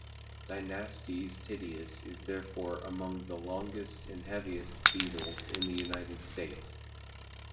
"Dynastes tityus" is therefore "among the longest and heaviest beetles in the United States".